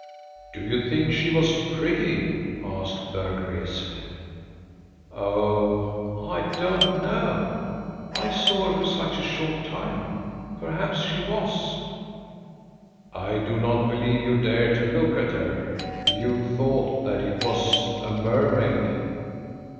"Did you think she was pretty?" asked Berg Rese. "Oh, I do not know, I saw her for such a short time. Perhaps she was." "I do not believe you dared to look at her. You thought that it was a mermaid."